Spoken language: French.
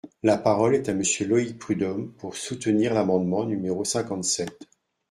La parole est à Monsieur Loïc Prud’homme, pour soutenir l’amendement numéro cinquante-sept.